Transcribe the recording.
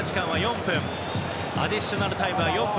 アディショナルタイムは４分。